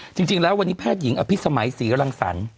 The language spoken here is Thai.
จริงแล้ววันนี้แพทย์หญิงอภิษมัยศรีรังสรรค์